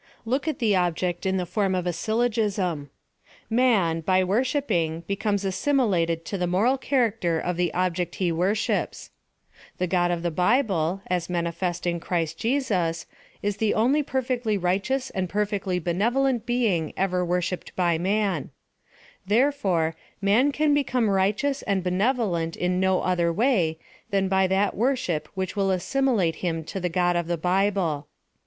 Look at the subject in the form of a syllo gism — PLAN OP SALVATION. 223 Man, by worshipping, becomes assimilated to the moral character of the object that he worships : The God of the bible, as manifest in Christ Jesus, Is the only perfectly righteous and perfectly benevo Lent Being ever worshipped by man : Therefore, man can become righteous and bene volent in no other way but by that worship which will assimilate him to the God of the bible.